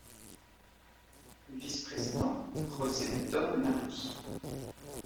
Vice-président: José Victor de Matos.